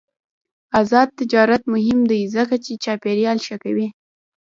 آزاد تجارت مهم دی ځکه چې چاپیریال ښه کوي.